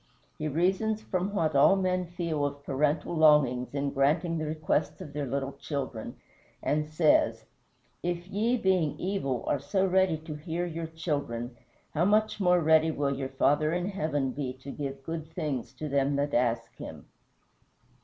He reasons from what all men feel of parental longings in granting the requests of their little children, and says, "If ye, being evil, are so ready to hear your children, how much more ready will your Father in heaven be to give good things to them that ask him."